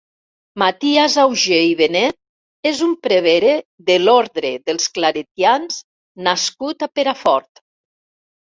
Matías Augé i Benet és un prevere de l'orde dels claretians nascut a Perafort.